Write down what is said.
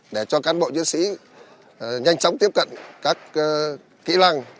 để cho cán bộ chiến sĩ nhanh chóng tiếp cận các kỹ năng